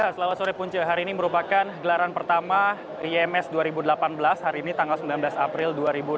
selamat sore punca hari ini merupakan gelaran pertama ims dua ribu delapan belas hari ini tanggal sembilan belas april dua ribu delapan belas